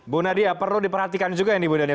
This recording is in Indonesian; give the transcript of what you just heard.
bu nadia perlu diperhatikan juga ya nih bu nadia